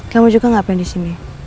kamu juga ngapain disini